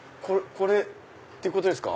これってことですか？